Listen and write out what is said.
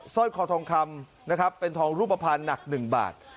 ร้อยคอทองคำนะครับเป็นทองรูปภัณฑ์หนัก๑บาท